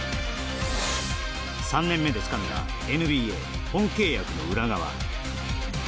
３年目でつかんだＮＢＡ本契約の裏側。